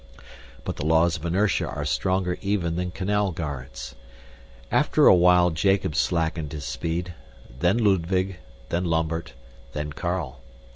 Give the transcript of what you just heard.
But the laws of inertia are stronger even than canal guards. After a while Jacob slackened his speed, then Ludwig, then Lambert, then Carl.